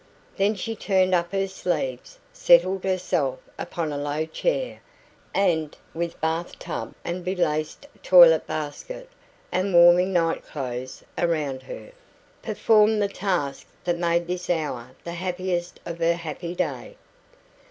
Then she turned up her sleeves, settled herself upon a low chair, and, with bath tub and belaced toilet basket, and warming night clothes around her, performed the task that made this hour the happiest of her happy day.